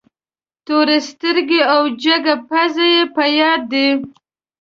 تورې سترګې او جګه پزه یې په یاد دي.